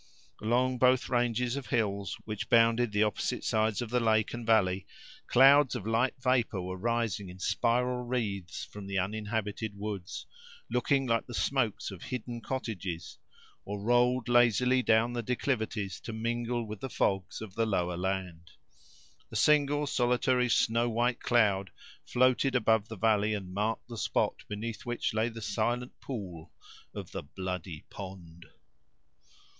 Along both ranges of hills, which bounded the opposite sides of the lake and valley, clouds of light vapor were rising in spiral wreaths from the uninhabited woods, looking like the smoke of hidden cottages; or rolled lazily down the declivities, to mingle with the fogs of the lower land. A single, solitary, snow white cloud floated above the valley, and marked the spot beneath which lay the silent pool of the "bloody pond."